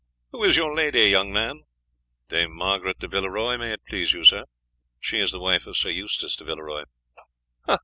"Who is your lady, young man?" "Dame Margaret de Villeroy, may it please you, sir. She is the wife of Sir Eustace de Villeroy."